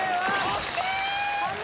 ＯＫ！